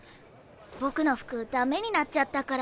僕の服駄目になっちゃったから。